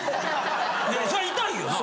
いやそりゃ痛いよな。